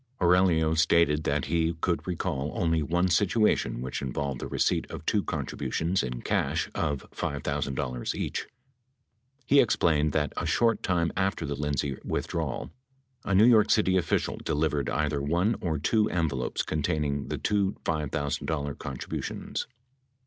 Aurelio stated that he could recall only one situation which involved the receipt of two contributions in cash of $5,000 each. He explained that a short time after the Lindsay withdrawal, a New York City official delivered either one or two envelopes containing the two $5,000 contributions.